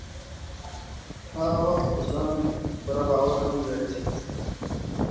هغه وخت په ځان پوره باور هم لرئ.